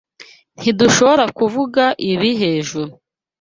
Ntidushobora kuvuga ibi hejuru?